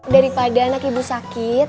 daripada anak ibu sakit